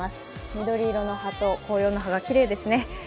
緑色の葉と紅葉の葉がきれいですね。